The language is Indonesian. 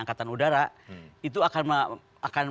angkatan udara itu akan